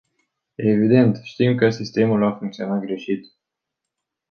Evident, știm că sistemul a funcționat greșit.